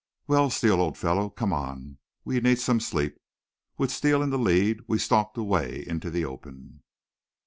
"Well, Steele, old fellow, come on. We need some sleep." With Steele in the lead, we stalked away into the open.